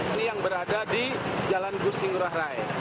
ini yang berada di jalan gusi ngurah rai